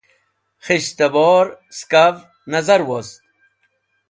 Khis̃ht abor ska’v nazar wost.